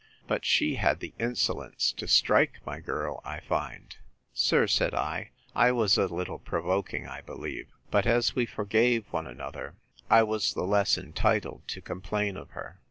—But she had the insolence to strike my girl, I find. Sir, said I, I was a little provoking, I believe; but as we forgave one another, I was the less entitled to complain of her.